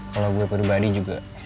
kalau gue body body juga